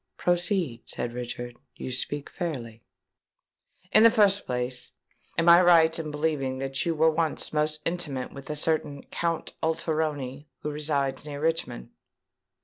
"Proceed," said Richard: "you speak fairly." "In the first place, am I right in believing that you were once most intimate with a certain Count Alteroni who resides near Richmond?"